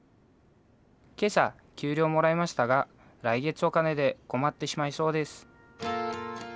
「今朝給料もらいましたが来月お金で困ってしまいそうです」。